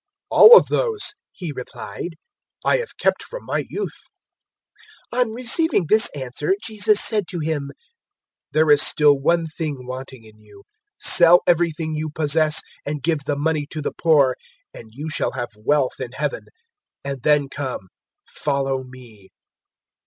'" 018:021 "All of those," he replied, "I have kept from my youth." 018:022 On receiving this answer Jesus said to him, "There is still one thing wanting in you. Sell everything you possess and give the money to the poor, and you shall have wealth in Heaven; and then come, follow me."